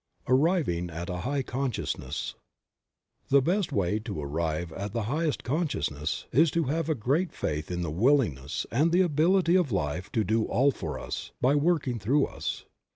ARRIVNG AT A HIGH CONSCIOUSNESS. 'JTHE best way to arrive at the highest consciousness is to have a great faith in the willingness and the ability of Life to do all for us, by working through us.